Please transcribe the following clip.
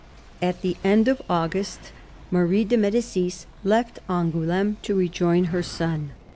At the end of August Marie de Medicis left Angouleme to rejoin her son.